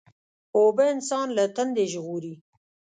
اوبه انسان له تندې ژغوري.